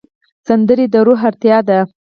سندره د روح اړتیا ده